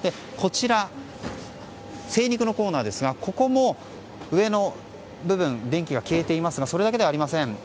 こちら、精肉のコーナーですがここも上の部分で電気が消えていますがそれだけではありません。